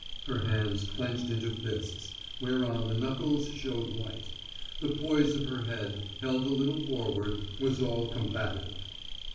Her hands clenched into fists, whereon the knuckles showed white; the poise of her head, held a little forward, was all combative.